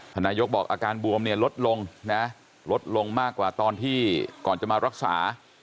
นายกบอกอาการบวมเนี่ยลดลงนะลดลงมากกว่าตอนที่ก่อนจะมารักษา